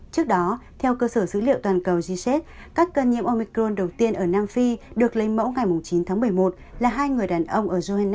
trước đó theo cơ sở dữ liệu toàn cầu g shed các cân nhiễm omicron đầu tiên ở nam phi được lây mẫu ngày chín tháng một mươi một là hai người đàn ông